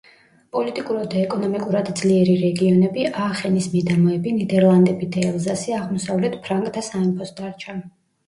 პოლიტიკურად და ეკონომიკურად ძლიერი რეგიონები, აახენის მიდამოები, ნიდერლანდები და ელზასი აღმოსავლეთ ფრანკთა სამეფოს დარჩა.